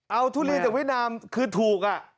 เอาทุเรียนจากเวียดนามคือถูก